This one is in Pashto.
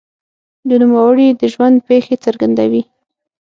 د نوموړي د ژوند پېښې څرګندوي.